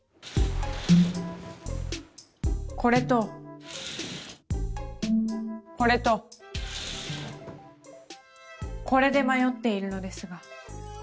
これとこれとこれで迷っているのですが。